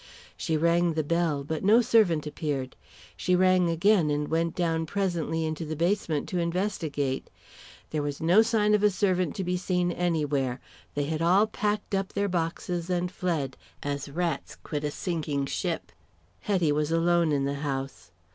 She rang the bell, but no servant appeared. She rang again, and went down presently into the basement to investigate. There was no sign of a servant to be seen anywhere. They had all packed up their boxes, and fled, as rats quit a sinking ship. Hetty was alone in the house.